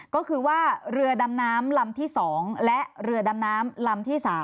ก็คือว่าเรือดำน้ำลำที่๒และเรือดำน้ำลำที่๓